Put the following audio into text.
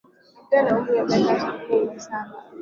Akiwa na umri wamiaka sitini na saba